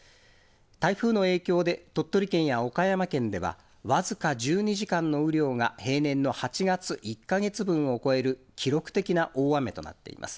台風の影響で鳥取県や岡山県では僅か１２時間の雨量が平年の８月１か月分を超える記録的な大雨となっています。